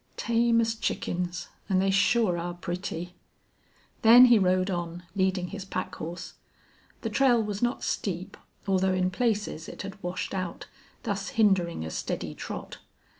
"Tame as chickens, an' they sure are pretty." Then he rode on, leading his pack horse. The trail was not steep, although in places it had washed out, thus hindering a steady trot.